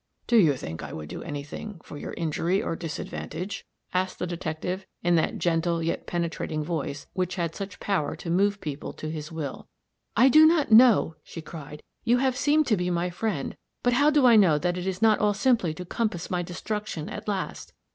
"Do you think I would do any thing for your injury or disadvantage?" asked the detective in that gentle yet penetrating voice which had such power to move people to his will. "I do not know," she cried; "you have seemed to be my friend. But how do I know that it is not all simply to compass my destruction at last?